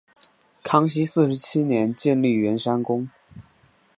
康熙四十七年建立圆山宫。